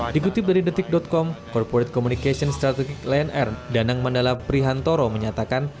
dikutip dari detik com corporate communication strategic lion air danang mandala prihantoro menyatakan